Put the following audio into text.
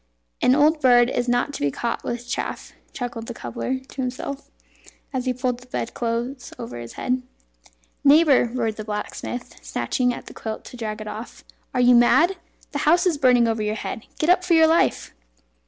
"An old bird is not to be caught with chaff," chuckled the cobbler to himself; and he pulled the bed clothes over his head. "Neighbour!" roared the blacksmith, snatching at the quilt to drag it off, "are you mad? The house is burning over your head. Get up for your life!"